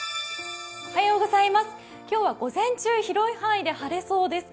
今日は午前中、広い範囲で晴れそうです。